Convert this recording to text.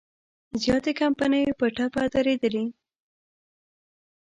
زیاتې کمپنۍ په ټپه درېدلي.